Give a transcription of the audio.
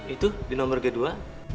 itu di nomor kedua